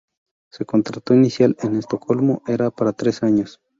Su contrato inicial en Estocolmo era para tres años.